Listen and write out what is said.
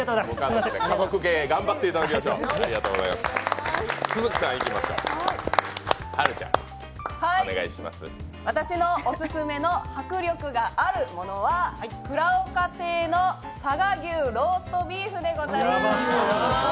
家族芸、頑張っていただきましょう私のオススメの迫力があるものは、くらおか亭の佐賀牛ローストビーフでございます。